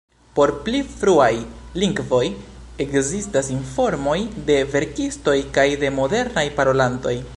Por pli fruaj lingvoj ekzistas informoj de verkistoj kaj de modernaj parolantoj.